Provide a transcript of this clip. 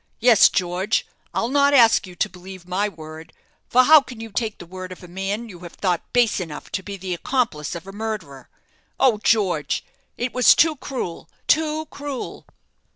Yes, George, I'll not ask you to believe my word; for how can you take the word of a man you have thought base enough to be the accomplice of a murderer? Oh, George, it was too cruel too cruel!"